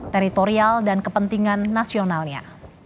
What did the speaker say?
teritorial dan kepentingan nasionalnya